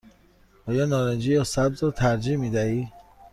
آیا نارنجی یا سبز را ترجیح می دهی؟